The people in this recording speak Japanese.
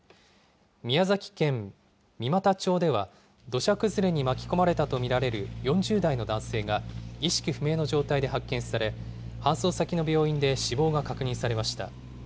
宮崎県三股町では、土砂崩れに巻き込まれたと見られる４０代の男性が意識不明の状態で発見され、搬送先の病院で死亡が確認されました。